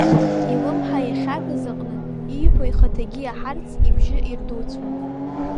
Илымҳа иахьагыз аҟнытә, ииҳәо ихаҭагьы иаҳарц, ибжьы ирдуцәон.